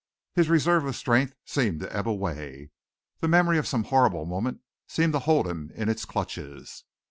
His reserve of strength seemed to ebb away. The memory of some horrible moment seemed to hold him in its clutches.